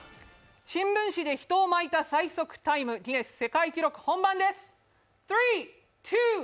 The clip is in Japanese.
新聞紙で人を巻いた最速タイムギネス世界記録、本番です。